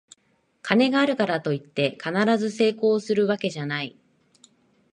金があるからといって必ず成功するわけじゃない